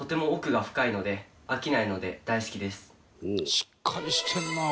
「しっかりしてるなおい」